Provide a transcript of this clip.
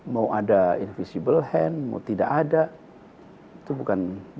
mau ada invisible hand mau tidak ada itu bukan